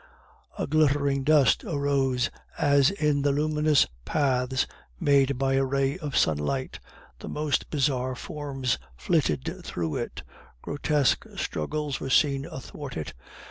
A glittering dust arose, as in the luminous paths made by a ray of sunlight, the most bizarre forms flitted through it, grotesque struggles were seen athwart it.